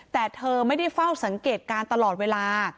แต่เธอไม่ได้เฝ้าสังเกตการณ์ตลอดเวลา